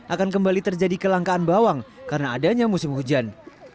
akan kembali terjadi kelangkaan bawang karena adanya musim hujan